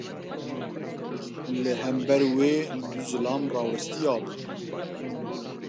Li hember wê du zilam rawestiyabûn.